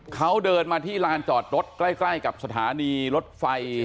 เขาเดินมาที่ลานจอดรถใกล้กับสถานีรถไฟ